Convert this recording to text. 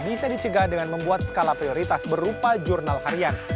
bisa dicegah dengan membuat skala prioritas berupa jurnal harian